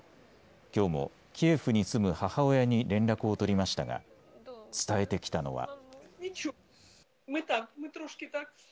今日もキエフに住む母親に連絡を取りましたが伝えてきたのは」。